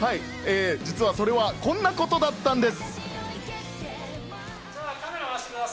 実はそれはこんなことだったんです。